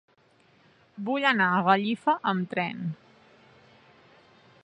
Vull anar a Gallifa amb tren.